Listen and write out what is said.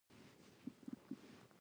سمسور وطن زموږ ارمان دی.